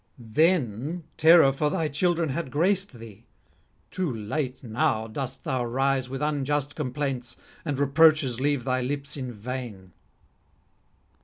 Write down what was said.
Then terror for thy children had graced thee; too late now dost thou rise with unjust complaints, and reproaches leave thy lips in vain.'